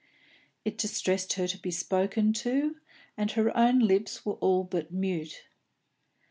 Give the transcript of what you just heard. It distressed her to be spoken to, and her own lips were all but mute.